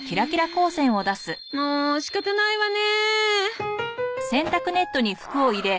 もう仕方ないわね。